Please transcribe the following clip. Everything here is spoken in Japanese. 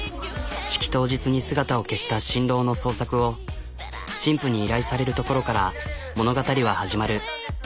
式当日に姿を消した新郎の捜索を新婦に依頼されるところから物語は始まる。